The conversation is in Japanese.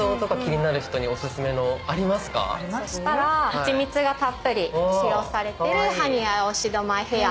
そしたら蜂蜜がたっぷり使用されてる。